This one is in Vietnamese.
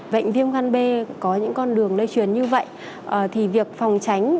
bệnh viêm gan b có những con đường lây truyền như vậy thì việc phòng tránh